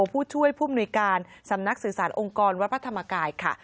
ผู้ช่วยผู้มนุยการสำนักสื่อสารองค์กรวัดพระธรรมกายค่ะ